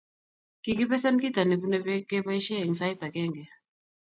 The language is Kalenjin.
Kikibesen kito nebune beek keboishe eng sait agenge